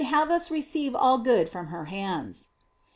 have us receive all good from her hands.